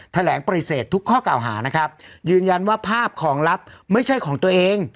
แถลงปฏิเสธทุกข้อเก่าหานะครับยืนยันว่าภาพของลับไม่ใช่ของตัวเอง